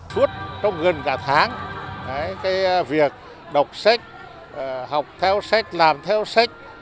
suốt trong gần cả tháng việc đọc sách học theo sách làm theo sách